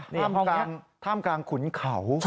ท่ามกลางท่ามกลางขุนเขา